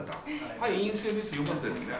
はい陰性ですよかったですね。